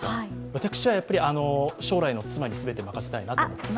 私はやっぱり将来の妻に全て任せたいなと。